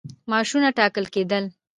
معاشونه ټاکل کېدل.